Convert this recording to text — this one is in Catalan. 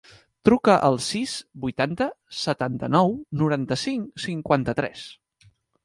Truca al sis, vuitanta, setanta-nou, noranta-cinc, cinquanta-tres.